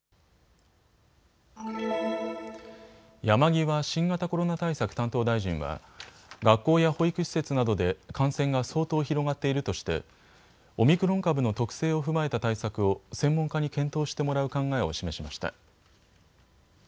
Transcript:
山際新型コロナ対策担当大臣は学校や保育施設などで感染が相当広がっているとしてオミクロン株の特性を踏まえた対策を専門家に検討してもらう考えを示しました。